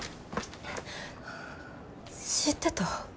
知ってた？